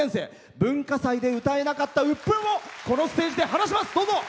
文化祭で歌えなかったうっぷんをこのステージで晴らします。